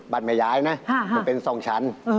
บ้านแม่ย้ายนะมันเป็น๒ชั้น